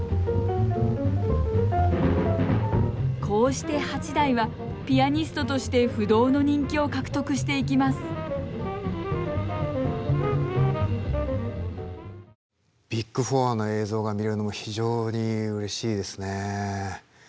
こうして八大はピアニストとして不動の人気を獲得していきますビッグ・フォアの映像が見れるのも非常にうれしいですね。